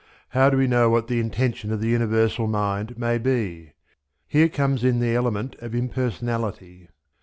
How do we know what the intention of the Universal Mind may be? Here comes in the element of impersonality.